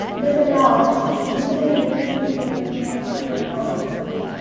It is a large, visible dip in between the neck and the collarbone.